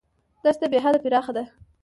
دښته بېحده پراخه ده.